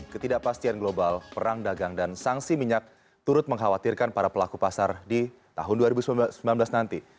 ketidakpastian global perang dagang dan sanksi minyak turut mengkhawatirkan para pelaku pasar di tahun dua ribu sembilan belas nanti